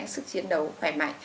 sức chiến đấu khỏe mạnh